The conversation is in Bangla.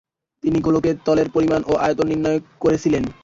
তিনি গোলকের তলের পরিমাণ ও আয়তন নির্ণয় করেছিলেন।